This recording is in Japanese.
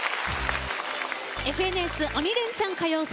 「ＦＮＳ鬼レンチャン歌謡祭」。